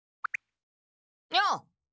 よう！